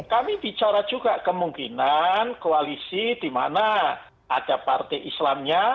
kami bicara juga kemungkinan koalisi dimana ada partai islamnya